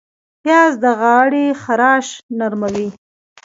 پیاز د غاړې خراش نرموي